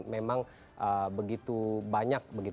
memang begitu banyak